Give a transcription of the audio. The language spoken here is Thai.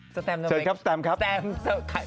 สแตมทำไม